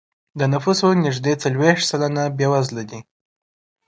د نفوسو نږدې څلوېښت سلنه بېوزله دی.